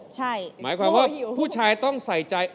หมายความว่าผู้ชายต้องใส่ใจ